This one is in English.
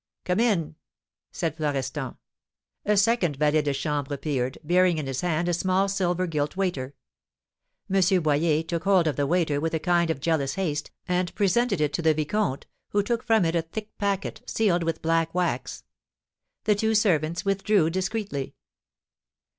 "Come in!" said Florestan. A second valet de chambre appeared, bearing in his hand a small silver gilt waiter. M. Boyer took hold of the waiter with a kind of jealous haste, and presented it to the vicomte, who took from it a thick packet, sealed with black wax. The two servants withdrew discreetly.